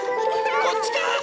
こっちか！